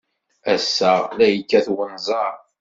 Ass-a, la yekkat unẓar.